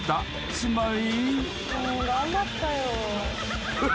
［つまり］